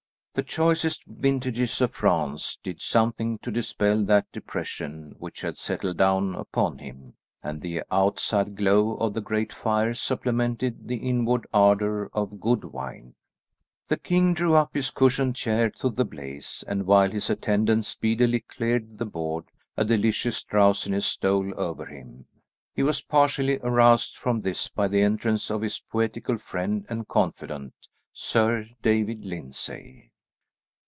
The choicest vintages of France did something to dispel that depression which had settled down upon him, and the outside glow of the great fire supplemented the inward ardour of good wine. The king drew up his cushioned chair to the blaze, and while his attendants speedily cleared the board, a delicious drowsiness stole over him. He was partially aroused from this by the entrance of his poetical friend and confidant, Sir David Lyndsay.